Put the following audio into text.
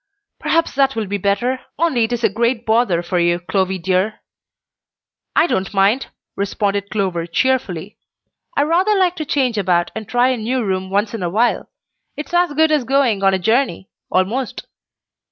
"Perhaps that will be better, only it is a great bother for you, Clovy dear." "I don't mind," responded Clover, cheerfully. "I rather like to change about and try a new room once in a while. It's as good as going on a journey almost."